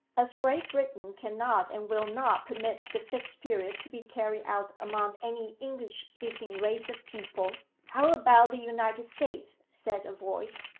"As Great Britain cannot and will not permit the Fixed Period to be carried out among any English speaking race of people " "How about the United States?" said a voice.